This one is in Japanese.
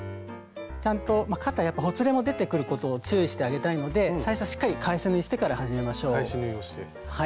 ちゃんと肩やっぱほつれも出てくることを注意してあげたいので最初しっかり返し縫いしてから始めましょう。